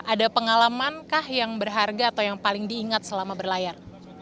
ada pengalaman kah yang berharga atau yang paling diingat selama berlayar